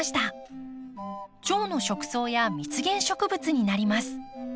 チョウの食草や蜜源植物になります。